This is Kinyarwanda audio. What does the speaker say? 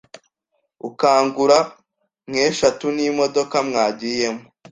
ukagura nk’eshatu, n’imodoka mwagiyemo